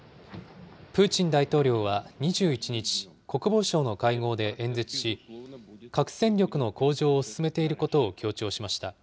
プーチン大統領は２１日、国防省の会合で演説し、核戦力の向上を進めていることを強調しました。